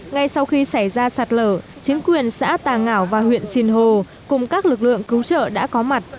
ngay sau khi xảy ra sạt lở chính quyền xã tà ngạo và huyện sinh hồ cùng các lực lượng cứu trợ đã có mặt